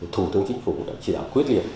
thủ tướng chính phủ đã chỉ đạo quyết liệt